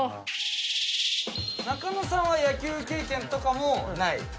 中野さんは野球経験がない？